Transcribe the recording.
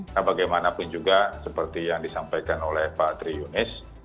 nah bagaimanapun juga seperti yang disampaikan oleh pak tri yunis